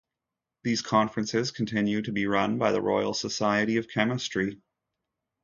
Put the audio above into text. These conferences continue to be run by the Royal Society of Chemistry.